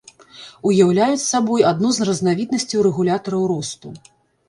Уяўляюць сабой адну з разнавіднасцяў рэгулятараў росту.